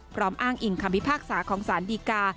พร้อมอ้างอิงความวิพากษาของสารดีกา